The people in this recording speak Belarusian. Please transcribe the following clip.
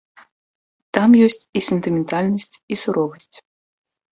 Там ёсць і сентыментальнасць, і суровасць.